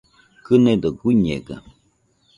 Kɨnedo guiñega